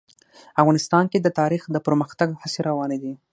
افغانستان کې د تاریخ د پرمختګ هڅې روانې دي.